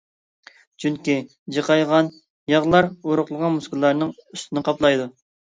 چۈنكى جىقايغان ياغلار ئورۇقلىغان مۇسكۇللارنىڭ ئۈستىنى قاپلايدۇ.